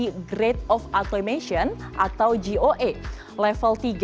lrt jabodebek memiliki teknologi grade of automation atau goe level tiga